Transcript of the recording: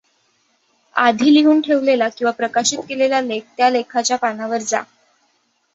आधी लिहून ठेवलेला किंवा प्रकाशित केलेला लेख त्या लेखाच्या पानावर जा.